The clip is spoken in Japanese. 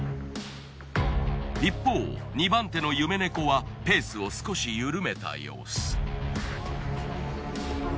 一方２番手の夢猫はペースを少し緩めた様子。